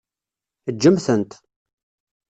Ǧǧem-tent.